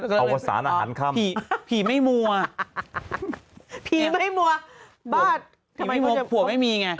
เอาสารอาหารค่ำพี่ไม่มัวบ้าททำให้ผัวไม่มีไง